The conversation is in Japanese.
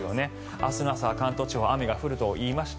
明日の朝は関東地方雨が降ると言いました。